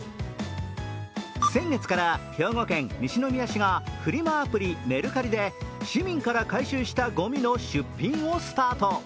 先月から兵庫県西宮市がフリマアプリ・メルカリで市民から回収したごみの出品をスタート。